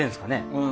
うん。